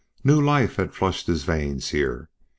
New life had flushed his veins here.